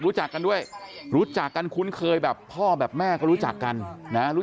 รู้จักกันด้วยรู้จักกันคุ้นเคยแบบพ่อแบบแม่ก็รู้จักกันนะรู้จัก